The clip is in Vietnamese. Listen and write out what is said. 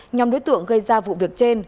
nhóm đối tượng gây ra vụ việc trên